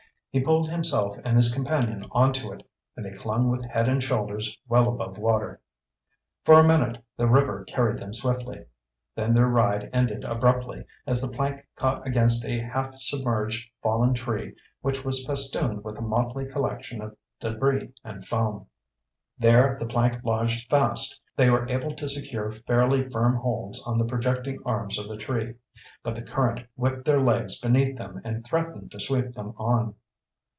He pulled himself and his companion onto it, and they clung with head and shoulders well above water. For a minute the river carried them swiftly. Then their ride ended abruptly, as the plank caught against a half submerged fallen tree which was festooned with a motley collection of debris and foam. There the plank lodged fast. They were able to secure fairly firm holds on the projecting arms of the tree, but the current whipped their legs beneath them and threatened to sweep them on.